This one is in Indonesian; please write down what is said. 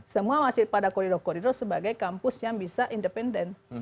semua masih pada koridor koridor sebagai kampus yang bisa independen